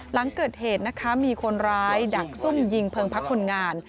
หลังเกิดเหตุนะคะมีคนร้ายดักซุ่มยิงเพลิงพักคนงาน